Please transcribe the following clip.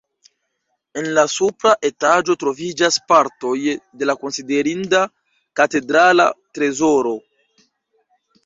En la supra etaĝo troviĝas partoj de la konsiderinda katedrala trezoro.